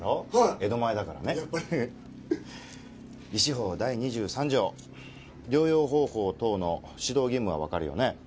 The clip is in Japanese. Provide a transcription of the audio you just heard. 江戸前だからね医師法第２３条療養方法等の指導義務は分かるよね